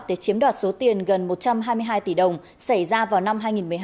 để chiếm đoạt số tiền gần một trăm hai mươi hai tỷ đồng xảy ra vào năm hai nghìn một mươi hai